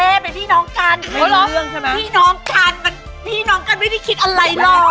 เอาล่ะ